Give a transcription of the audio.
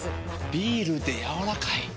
ビールでやわらかい。